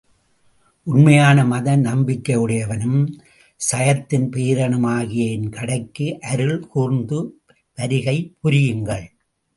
உண்மையான மத நம்பிக்கையுடையவனும், சையத்தின் பேரனுமாகிய என் கடைக்கு அருள் கூர்ந்து வருகை புரியுங்கள்.